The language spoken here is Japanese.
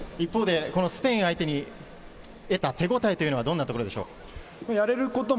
スペイン相手に得た手応えは、どんなところでしょうか。